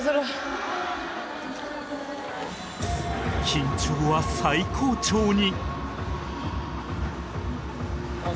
緊張は最高潮に